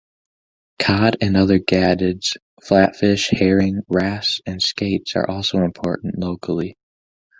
Cod and other gadids, flatfish, herring, wrasse and skates are also important locally.